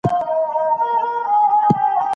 د بدن بوی د جنسیت سره تړلی دی.